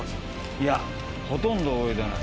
いやほとんど覚えてない。